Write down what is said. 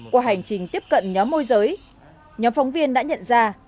qua hành trình tiếp cận nhóm môi giới nhóm phóng viên đã nhận ra